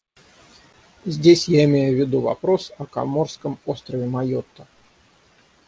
Здесь я имею в виду вопрос о коморском острове Майотта.